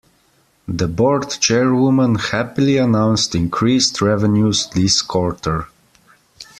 The board chairwoman happily announced increased revenues this quarter.